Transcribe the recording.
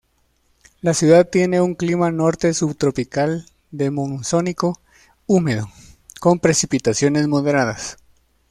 La ciudad tiene un clima norte subtropical de monzónico húmedo, con precipitaciones moderadas.